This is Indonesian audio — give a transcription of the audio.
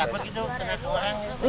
gak takut gitu kena ke orang